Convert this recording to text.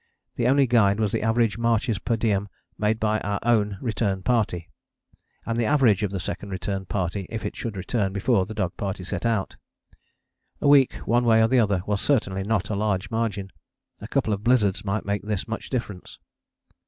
The only guide was the average marches per diem made by our own return party, and the average of the second return party if it should return before the dog party set out. A week one way or the other was certainly not a large margin. A couple of blizzards might make this much difference.